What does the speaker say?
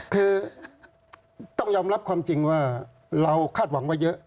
คือต้องยอมรับความจริงว่าเราคาดหวังไว้เยอะ